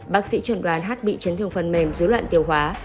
bác sĩ chuẩn đoán h bị chấn thương phần mềm dối loạn tiêu hóa